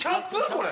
これ。